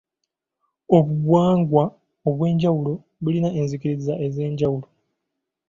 Obuwangwa obw'enjawulo bulina enzikiriza ez'enjawulo.